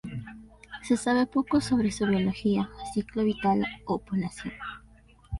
Se sabe poco sobre su biología, ciclo vital o población.